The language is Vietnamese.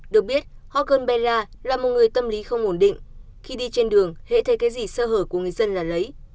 được biết hot girl bella là một người tâm lý không ổn định khi đi trên đường hệ thể cái gì sơ hở của người dân là lấy